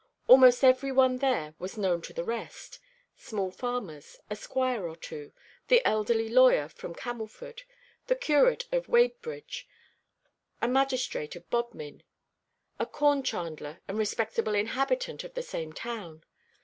Almost every one there was known to the rest: small farmers, a squire or two, the elderly lawyer from Camelford, the curate of Wadebridge, a magistrate of Bodmin, a cornchandler and respectable inhabitant of the same town.